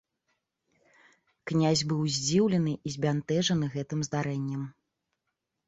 Князь быў здзіўлены і збянтэжаны гэтым здарэннем.